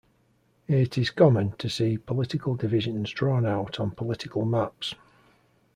It is common to see political divisions drawn out on political maps.